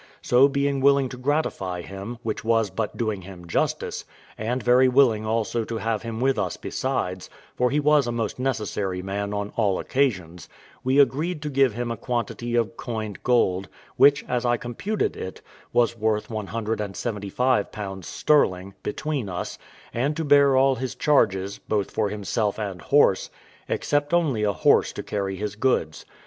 So, being willing to gratify him, which was but doing him justice, and very willing also to have him with us besides, for he was a most necessary man on all occasions, we agreed to give him a quantity of coined gold, which, as I computed it, was worth one hundred and seventy five pounds sterling, between us, and to bear all his charges, both for himself and horse, except only a horse to carry his goods.